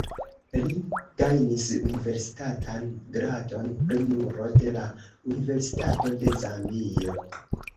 Li gajnis universitatan gradon pri juro de la Universitato de Zambio.